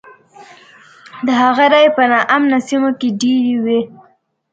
د هغه رایې په نا امنه سیمو کې ډېرې وې.